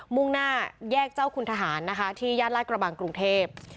มุ่งหน้าแยกเจ้าคุณทหารนะคะที่ย่านลาดกระบังกรุงเทพ